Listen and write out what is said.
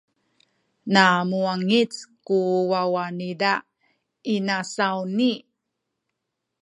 na muwangic ku wawa niza inasawni.